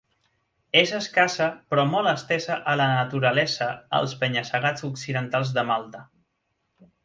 És escassa però molt estesa a la naturalesa als penya-segats occidentals de Malta.